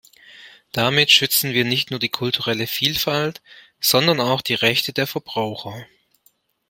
Damit schützen wir nicht nur die kulturelle Vielfalt, sondern auch die Rechte der Verbraucher.